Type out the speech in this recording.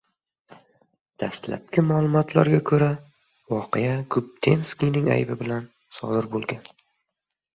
Dastlabki ma’lumotlariga ko‘ra, voqea Gubdenskiyning aybi bilan sodir bo‘lgan